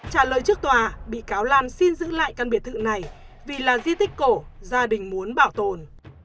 trả lời trước tòa bị cáo lan xin giữ lại căn biệt thự này vì là di tích cổ gia đình muốn bảo tồn